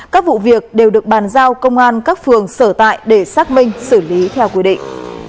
các vụ việc đều được bàn giao công an các phường sở tại để xác minh xử lý theo quy định